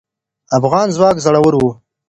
افغان ځواک زړور و